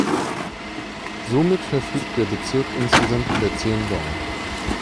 Somit verfügt der Bezirk insgesamt über zehn dong.